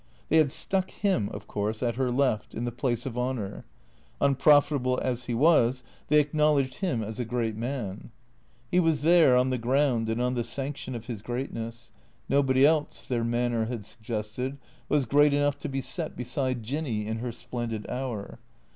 They had stuck him, of course, at her left, in the place of honour. Unprofitable as he was, they acknowledged him as a THECEEATOES 289 great man. He was there on the ground and on the sanction of his greatness. Nobody else, their manner had suggested, was great enough to be set beside Jinny in her splendid hour.